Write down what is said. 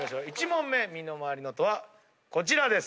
１問目身の回りの音はこちらです。